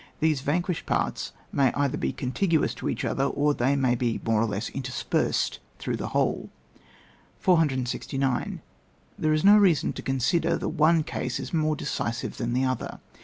These vanquished parts may either be contiguous to each other, or they may be more or less interspersed through the whole. 469. There is no reason to consider the one case as more decisive than the other.